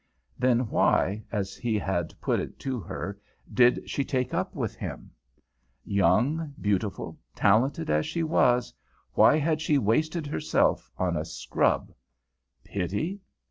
Then why, as he had put it to her, did she take up with him? Young, beautiful, talented as she was, why had she wasted herself on a scrub? Pity?